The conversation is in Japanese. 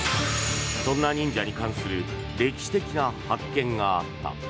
そんな忍者に関する歴史的な発見があった。